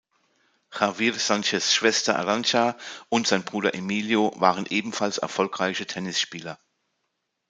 Javier Sánchez Schwester Arantxa und sein Bruder Emilio waren ebenfalls erfolgreiche Tennisspieler.